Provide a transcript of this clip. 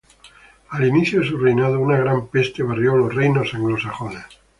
Al inicio de su reinado, una gran peste barrió los reinos anglosajones.